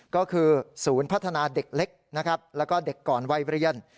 ก็คือศูนย์พัฒนาเด็กเล็กนะครับแล้วก็เด็กก่อนวัยเรียน